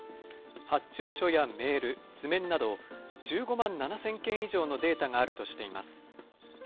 発注書やメール、図面など、１５万７０００件以上のデータがあるとしています。